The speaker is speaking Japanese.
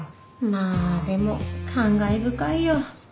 まあでも感慨深いよ。